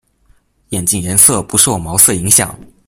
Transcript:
眼镜颜色不受毛色影响。